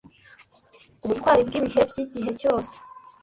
Ubutwari bwibihe byigihe cyose,